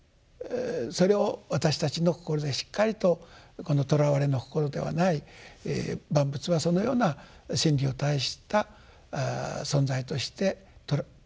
それを私たちの心でしっかりとこのとらわれの心ではない万物はそのような真理を帯した存在として認識していきましょうと。